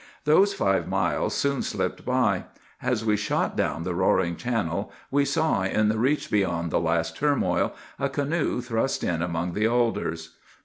"Those five miles soon slipped by. As we shot down the roaring channel we saw, in the reach beyond the last turmoil, a canoe thrust in among the alders.